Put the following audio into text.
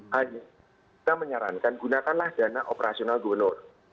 hanya kita menyarankan gunakanlah dana operasional gubernur